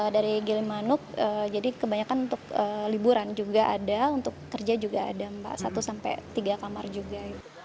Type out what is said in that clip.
dari gilimanuk jadi kebanyakan untuk liburan juga ada untuk kerja juga ada mbak satu sampai tiga kamar juga